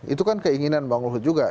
itu kan keinginan bang luhut juga